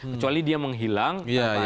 kecuali dia menghilang